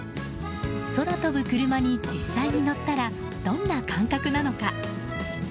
空飛ぶクルマに実際に乗ったらどんな感覚なのか。